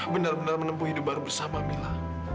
benar benar menempuh hidup baru bersama mila